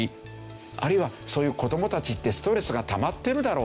あるいはそういう子どもたちってストレスがたまってるだろう。